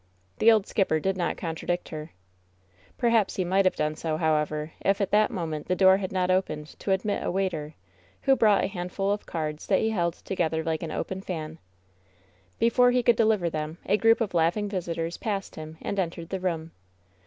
The old skipper did not contradict her. Perhaps he might have done so, however, if at that moment the door had not opened to admit a waiter, w1m> 126 WHEN SHADOWS DEE brought a handful of cards that he held together like an open fan. Before he could deliver them a group of laughing vis itors passed him and entered the room.